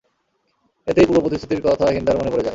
এতেই পূর্ব প্রতিশ্রুতির কথা হিন্দার মনে পড়ে যায়।